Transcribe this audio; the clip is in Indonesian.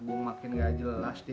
gua makin nggak jelas nih